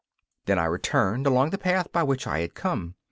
Then I returned along the path by which I had come.